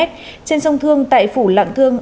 trên sông thương tại phủ lạng thương